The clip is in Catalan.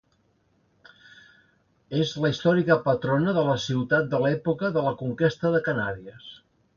És la històrica patrona de la ciutat des de l'època de la conquesta de Canàries.